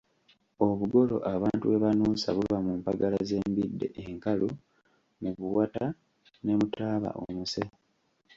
"Obugolo abantu bwe banuusa buva mu mpagala z’embidde enkalu, mu buwata ne mu taaba omuse."